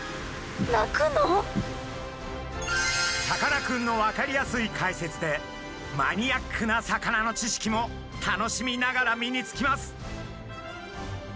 さかなクンの分かりやすい解説でマニアックな魚の知識も楽しみながら身につきます。